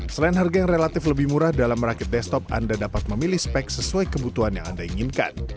selain harga yang relatif lebih murah dalam merakit desktop anda dapat memilih spek sesuai kebutuhan yang anda inginkan